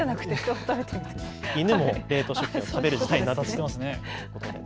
犬も冷凍食品を食べる時代になったんですね。